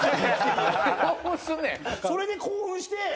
それで興奮して。